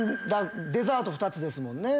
デザート２つですもんね。